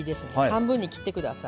半分に切ってください。